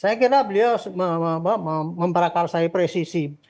saya kira beliau memperakarsai presisi